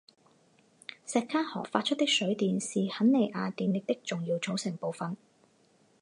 锡卡河发出的水电是肯尼亚电力的重要组成部分。